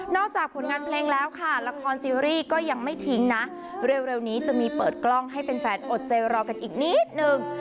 จากผลงานเพลงแล้วค่ะละครซีรีส์ก็ยังไม่ทิ้งนะเร็วนี้จะมีเปิดกล้องให้แฟนอดใจรอกันอีกนิดนึง